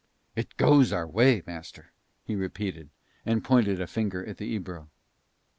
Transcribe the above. "It goes our way, master," he repeated, and pointed a finger at the Ebro.